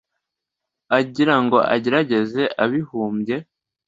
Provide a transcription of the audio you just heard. agira ngo agerageze abibumbye